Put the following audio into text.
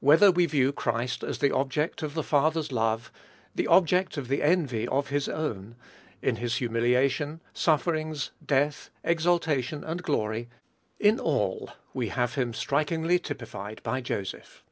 Whether we view Christ as the object of the Father's love, the object of the envy of "his own", in his humiliation, sufferings, death, exaltation, and glory, in all, we have him strikingly typified by Joseph.